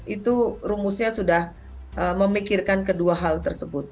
itu rumusnya sudah memikirkan kedua hal tersebut